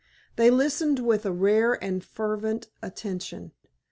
They listened with a rare and fervid attention.